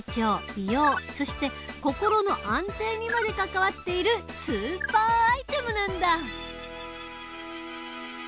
美容そして心の安定にまで関わっているスーパーアイテムなんだ！